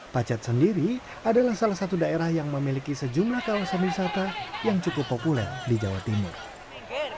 pacet sendiri adalah salah satu daerah yang memiliki sejumlah kawasan wisata yang cukup populer di jawa timur